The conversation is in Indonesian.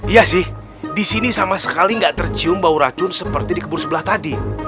iya sih di sini sama sekali nggak tercium bau racun seperti di kebun sebelah tadi